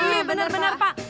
iya bener pak